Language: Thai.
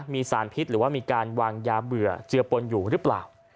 มีสารพิษหรือว่ามีการวางยาเบื่อเจือปนอยู่หรือเปล่า